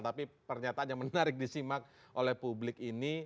tapi pernyataan yang menarik disimak